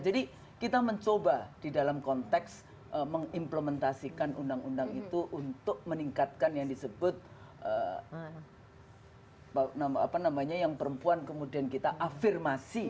jadi kita mencoba di dalam konteks mengimplementasikan undang undang itu untuk meningkatkan yang disebut apa namanya yang perempuan kemudian kita afirmasi